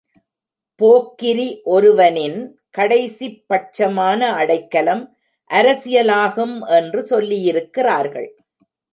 போக்கிரி ஒருவனின் கடைசிப் பட்சமான அடைக்கலம் அரசியலாகும் என்று சொல்லியிருக்கிறார்கள்.